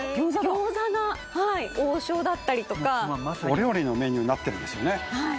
餃子が王将だったりとかお料理のメニューになってるんですよね